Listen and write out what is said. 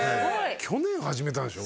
去年始めたんでしょ？